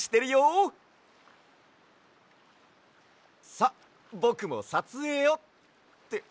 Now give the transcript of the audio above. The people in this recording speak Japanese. さっぼくもさつえいをって